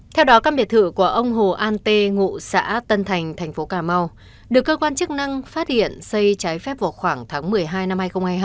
theo đó căn biệt thự của ông hồ an tê ngụ xã tân thành thành phố cà mau được cơ quan chức năng phát hiện xây trái phép vào khoảng tháng một mươi hai năm hai nghìn hai mươi hai